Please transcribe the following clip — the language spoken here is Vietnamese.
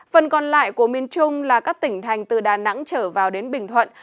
phần còn lại của miền trung là các tỉnh thành từ đà nẵng trở vào đến bình thuận